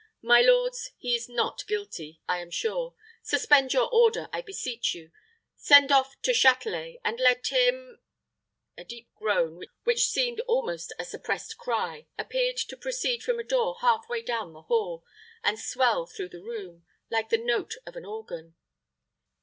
"My lords, he is not guilty I am sure. Suspend your order, I beseech you. Send off to the Châtelet, and let him " A deep groan, which seemed almost a suppressed cry, appeared to proceed from a door half way down the hall, and swell through the room, like the note of an organ.